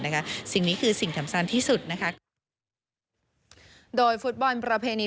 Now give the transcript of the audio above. นะคะสิ่งนี้คือสิ่งสำคัญที่สุดนะคะโดยฟุตบอลประเพณี